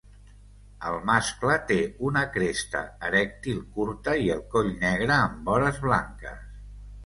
El mascle té una cresta erèctil curta i el coll negre amb vores blanques.